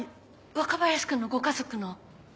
若林君のご家族の？